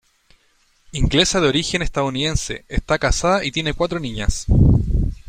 Inglesa de origen estadounidense, está casada y tiene cuatro niñas.